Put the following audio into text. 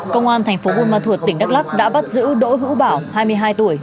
cơ quan tp cà mau tỉnh đắk lắc đã bắt giữ đỗ hữu bảo hai mươi hai tuổi